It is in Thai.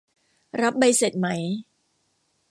รับใบเสร็จไหม